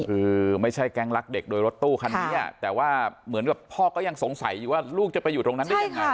คือไม่ใช่แก๊งรักเด็กโดยรถตู้คันนี้แต่ว่าเหมือนกับพ่อก็ยังสงสัยอยู่ว่าลูกจะไปอยู่ตรงนั้นได้ยังไง